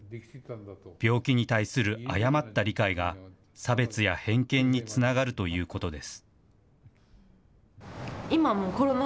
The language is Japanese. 病気に対する誤った理解が、差別や偏見につながるということです。